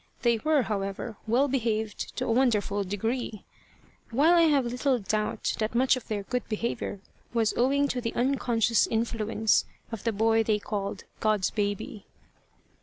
They were, however, well behaved to a wonderful degree; while I have little doubt that much of their good behaviour was owing to the unconscious influence of the boy they called God's baby.